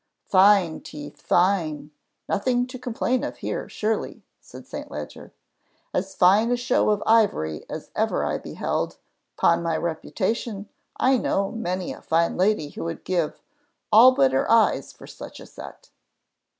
"Fine teeth, fine! Nothing to complain of here surely," said St. Leger. "As fine a show of ivory as ever I beheld. 'Pon my reputation, I know many a fine lady who would give all but her eyes for such a set."